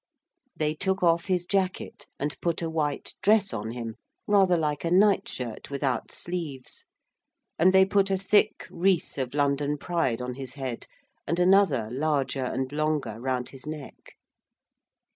They took off his jacket and put a white dress on him, rather like a night shirt without sleeves. And they put a thick wreath of London Pride on his head and another, larger and longer, round his neck.